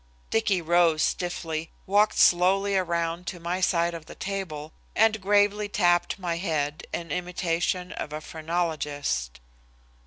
Dicky rose stiffly, walked slowly around to my side of the table, and gravely tapped my head in imitation of a phrenologist.